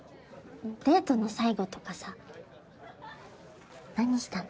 デートの最後とかさ何したの？